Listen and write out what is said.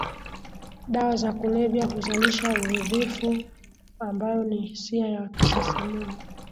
Dawa za kulevya huzalisha uridhifu ambayo ni hisia ya kusisimua